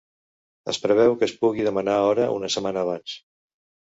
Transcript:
Es preveu que es pugui demanar hora una setmana abans.